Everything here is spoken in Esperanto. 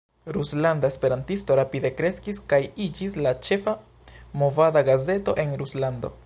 Ruslanda Esperantisto rapide kreskis kaj iĝis la ĉefa movada gazeto en Ruslando.